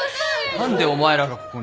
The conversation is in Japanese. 何でお前らがここに。